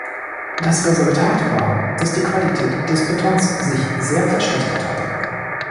Das Resultat war, dass die Qualität des Betons sich sehr verschlechtert hatte.